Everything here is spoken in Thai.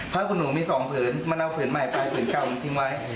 ผ้าผุ่นหนูมีสองผืนมันเอาผืนใหม่ไปผืนเก่ามันทิ้งไว้